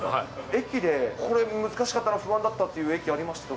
駅でこれ、難しかったな、不安だったっていう駅ありました？